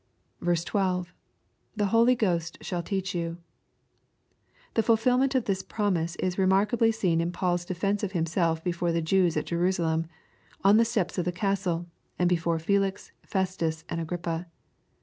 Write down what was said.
12. — [The Holy Ghost shall teach you.] The fulfilment of this prom ise is remarkablv seen in Paul's defence of himself before the Jews at Jerusalem, on the steps of the castle, and before Felix, FestuSj and Agrippa.